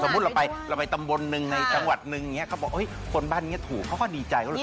สมมุติเราไปตำบลหนึ่งในจังหวัดหนึ่งอย่างเนี่ยเขาบอกโอ๊ยคนบ้านเนี่ยถูกเขาก็ดีใจ